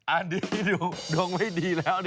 อันนี้ดูดวงไม่ดีแล้ว